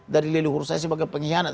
dari leluhur saya sebagai pengkhianat